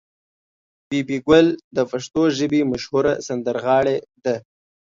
بي بي ګل د پښتو ژبې مشهوره سندرغاړې ده.